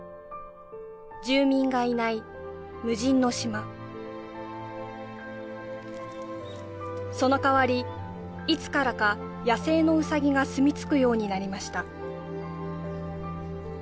住民がいない無人の島その代わりいつからか野生のウサギがすみつくようになりました